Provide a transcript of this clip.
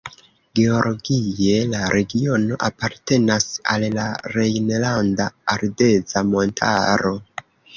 Geologie la regiono apartenas al la Rejnlanda Ardeza Montaro.